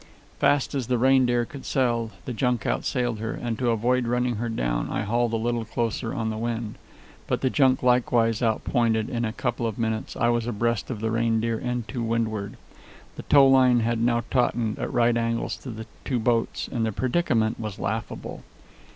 Fast as the Reindeer could sail, the junk outsailed her; and to avoid running her down I hauled a little closer on the wind. But the junk likewise outpointed, and in a couple of minutes I was abreast of the Reindeer and to windward. The tow line had now tautened, at right angles to the two boats, and the predicament was laughable.